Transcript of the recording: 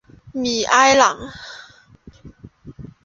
米埃朗。